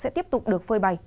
sẽ tiếp tục được phơi bày